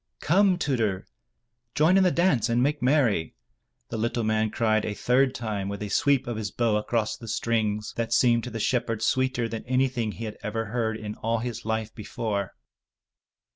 "Come, Tudur, join in the dance and make merry," the little man cried a third time with a sweep of his bow across the strings that seemed to the shepherd sweeter than anything he had ever heard in all his life before.